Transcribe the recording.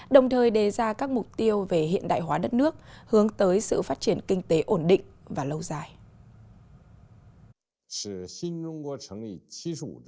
đồng thời đề ra các mục tiêu về hiện đại hóa đất nước hướng tới sự phát triển kinh tế ổn định và lâu dài